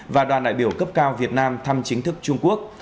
và đoàn đại biểu cấp cao việt nam thăm chính thức trung quốc